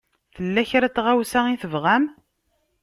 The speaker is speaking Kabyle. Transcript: Tella kra n tɣawsa i tebɣam?